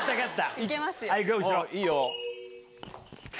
いいよ。